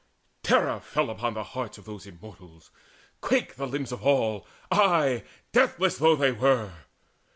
Terror fell Upon the hearts of those Immortals: quaked The limbs of all ay, deathless though they were!